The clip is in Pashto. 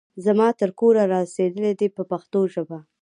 زما تر کوره را رسېدلي دي په پښتو ژبه.